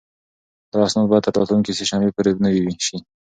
دا اسناد باید تر راتلونکې سه شنبې پورې نوي شي.